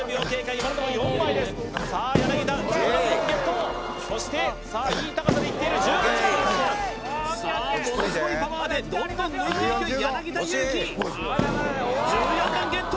今のところ４枚ですさあ柳田１６番ゲットそしてさあいい高さでいっている１８番さあものすごいパワーでどんどん抜いていく柳田悠岐１４番ゲット